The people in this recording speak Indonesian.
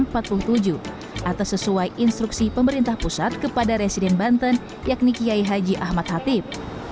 pada tahun seribu sembilan ratus empat puluh tujuh atas sesuai instruksi pemerintah pusat kepada residen banten yakni kiai haji ahmad hatip